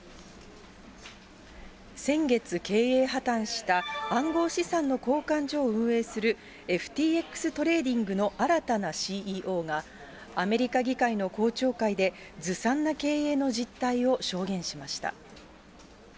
先月経営破綻した暗号資産の交換所を運営する、ＦＴＸトレーディングの新たなＣＥＯが、アメリカ議会の公聴会で、ずさんな経営の実態を証言しました。